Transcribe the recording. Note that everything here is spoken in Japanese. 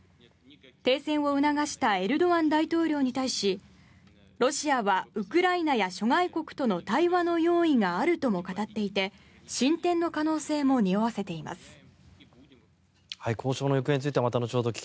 停戦を促したエルドアン大統領に対しロシアはウクライナや諸外国との対話の用意があるとも語っていて進展の可能性もにおわせています。